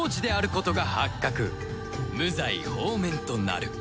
無罪放免となる